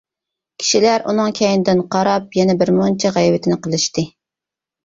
كىشىلەر ئۇنىڭ كەينىدىن قاراپ، يەنە بىرمۇنچە غەيۋىتىنى قىلىشتى.